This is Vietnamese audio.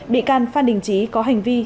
bị can phan đình trí có hành vi